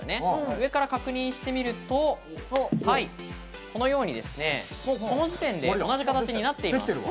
上から確認してみると、この時点で同じ形になっています。